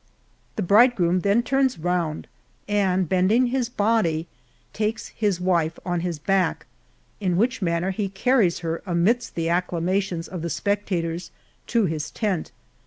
The bridegroom then turns round, and bending his body, takes his wife on his back, in which manner he carries her amidst the acclamations of the spectators to his tent.